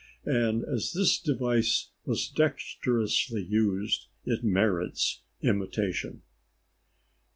_" And as this device was dexterously used it merits imitation.